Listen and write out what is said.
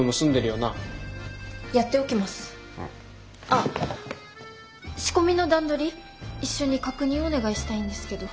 あっ仕込みの段取り一緒に確認をお願いしたいんですけど。